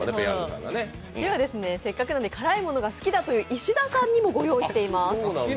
せっかくなんで辛いものが好きだという石田さんにも御用意しています。